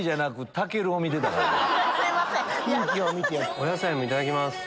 お野菜もいただきます。